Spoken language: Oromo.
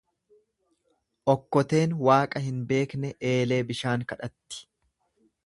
Okkoteen Waaqa hin beekne eelee bishaan kadhatti.